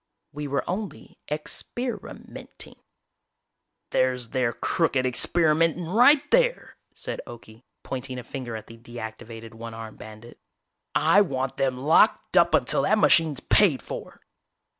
"We were only ex per i ment ing " "There's their crooked experimenting right there!" said Okie, pointing a finger at the deactivated one armed bandit. "I want them locked up until that machine's paid for!"